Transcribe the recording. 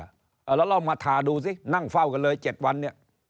ก็ลองมาทาดูซินั่งเฝ้ากันเลย๗วันเนี่ย